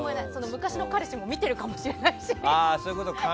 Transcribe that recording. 昔の彼氏も見ているかもしれないし。